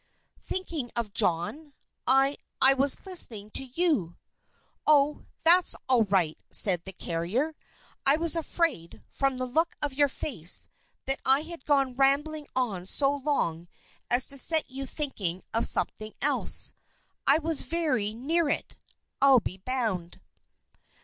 "Thinking of, John? I I was listening to you." "Oh! that's all right!" said the carrier. "I was afraid, from the look of your face, that I had gone rambling on so long as to set you thinking of something else. I was very near it, I'll be bound."